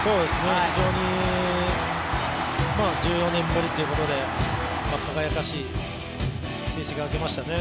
非常に１４年ぶりということで、輝かしい成績を上げましたね。